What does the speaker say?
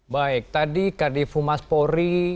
baik tadi kdfu maspori